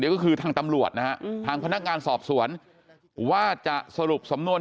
ก็คือทางตำรวจนะฮะทางพนักงานสอบสวนว่าจะสรุปสำนวน